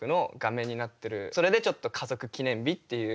それでちょっと「家族記念日」っていう。